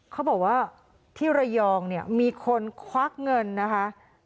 เขาบอกว่าที่ระยองเนี่ยมีคนควักเงินนะคะ